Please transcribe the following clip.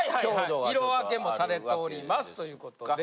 色分けもされておりますということで。